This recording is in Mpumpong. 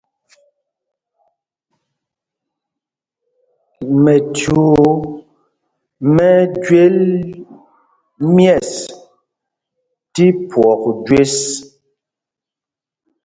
Mɛchuu mɛ́ ɛ́ jwel ̀yɛ̂ɛs tí phwɔk jüés.